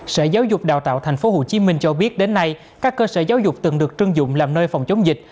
sở giáo dục đào tạo tp hcm cho biết đến nay các cơ sở giáo dục từng được trưng dụng làm nơi phòng chống dịch